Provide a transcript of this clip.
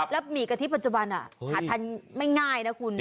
แล้วหมี่กะทิปัจจุบันหาทานไม่ง่ายนะคุณ